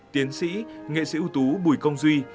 tiến sĩ nghệ sĩ ưu tú bùi công duy